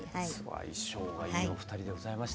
相性がいいお二人でございました。